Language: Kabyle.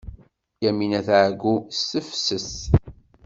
Yamina tɛeyyu s tefses.